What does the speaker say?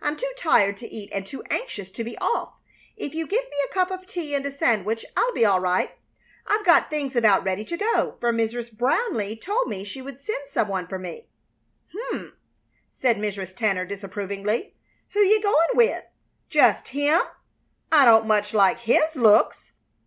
I'm too tired to eat and too anxious to be off. If you give me a cup of tea and a sandwich I'll be all right. I've got things about ready to go, for Mrs. Brownleigh told me she would send some one for me." "H'm!" said Mrs. Tanner, disapprovingly. "Who you goin' with? Just him? I don't much like his looks!"